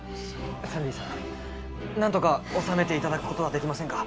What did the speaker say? サンディーさんなんとか収めていただくことはできませんか？